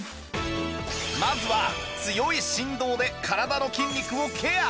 まずは強い振動で体の筋肉をケア